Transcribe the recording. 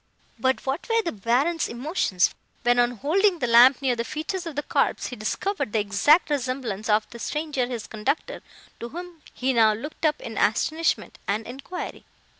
"But, what were the Baron's emotions, when, on holding the lamp near the features of the corpse, he discovered the exact resemblance of the stranger his conductor, to whom he now looked up in astonishment and enquiry?